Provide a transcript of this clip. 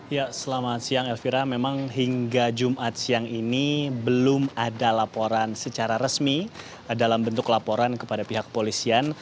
ya selamat siang elvira memang hingga jumat siang ini belum ada laporan secara resmi dalam bentuk laporan kepada pihak kepolisian